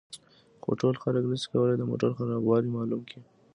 خو ټول خلک نشي کولای د موټر خرابوالی معلوم کړي